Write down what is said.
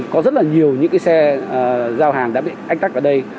có rất nhiều xe giao hàng đã bị ách tách ở đây